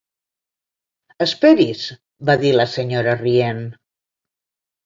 Esperi's, va dir la senyora rient.